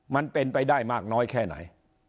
มันเป็นไปได้มากน้อยแค่ไหน